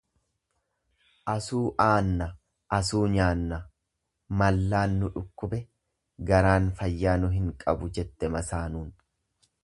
Asuu aanna asuu nyaanna, mallaan nu dhukkube, garaan fayyaa nu hin qabu, jette masaanuun.